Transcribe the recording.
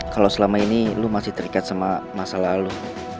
kalau selama ini lo masih terikat sama masalah lo